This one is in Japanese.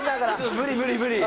無理無理無理。